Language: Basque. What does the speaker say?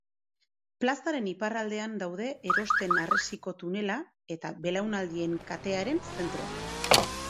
Plazaren iparraldean daude Erosten harresiko tunela eta Belaunaldien Katearen Zentroa.